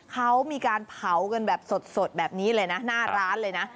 เขามีการเผากันแบบสดแบบนี้เลยนะหน้าร้านเลยนะ